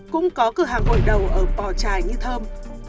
cũng có cửa hàng gội đầu ở bò trải như thơm